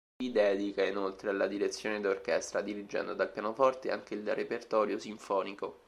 Si dedica inoltre alla direzione d'orchestra, dirigendo dal pianoforte e anche il repertorio sinfonico.